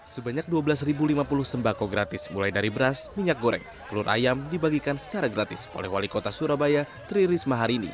sebanyak dua belas lima puluh sembako gratis mulai dari beras minyak goreng telur ayam dibagikan secara gratis oleh wali kota surabaya tri risma hari ini